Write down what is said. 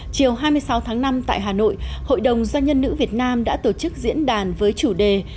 chiều hai mươi sáu tháng năm tại hà nội hội đồng doanh nhân nữ việt nam đã tổ chức diễn đàn với chủ đề